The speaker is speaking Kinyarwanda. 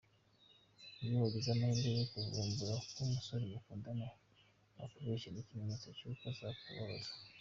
Iyo wagize amahirwe yo kuvumbura ko umusore mukundana akubeshya ni ikimenyetso cy’uko azakubabaza.